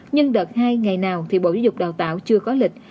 nhưng đợt hai ngày nào thì bộ giáo dục đào tạo chưa có lịch